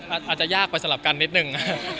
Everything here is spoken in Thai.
อาจจะยากไปสลับกันนิดนึง